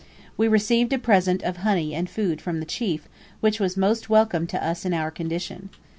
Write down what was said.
We received a present of honey and food from the chief, which was most welcome to us in our condition.